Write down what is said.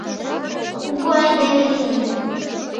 — Кугу айдеме лийын.